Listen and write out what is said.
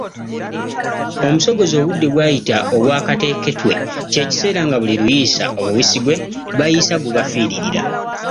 "Omusogozi obudde bw'ayita obwakateketwe kye kiseera nga buli luyiisa, omubisi gwe bayiisa gubafiirira"